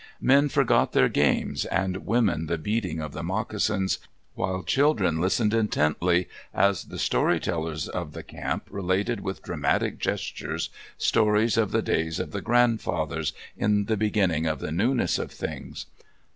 Men forgot their games and women the beading of the moccasin, while children listened intently, as the story tellers of the camp related, with dramatic gestures, stories of the Days of the Grandfathers, in the beginning of the Newness of Things.